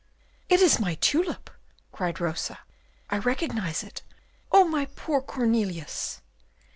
"It is my tulip," cried Rosa, "I recognise it. Oh, my poor Cornelius!"